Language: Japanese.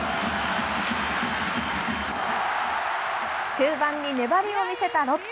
終盤に粘りを見せたロッテ。